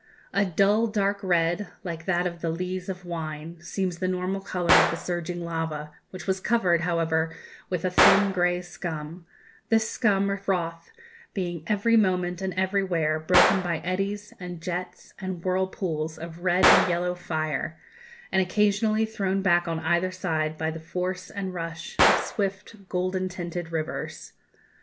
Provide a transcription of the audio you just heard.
A dull dark red, like that of the lees of wine, seems the normal colour of the surging lava, which was covered, however, with a thin grey scum this scum, or froth, being every moment and everywhere broken by eddies and jets and whirlpools of red and yellow fire, and occasionally thrown back on either side by the force and rush of swift golden tinted rivers.